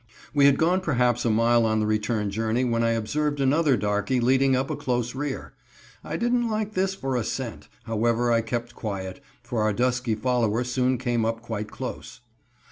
We had gone perhaps a mile on the return journey when I observed another darkey leading up a close rear. I didn't like this for a cent, however I kept quiet, and our dusky follower soon came up quite close.